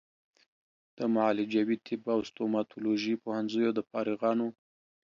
د معالجوي طب او ستوماتولوژي پوهنځیو د فارغانو